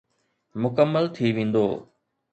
مڪمل ٿي ويندو.